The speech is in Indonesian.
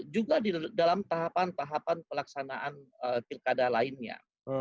juga di dalam tahapan tahapan pelaksanaan pilkada lainnya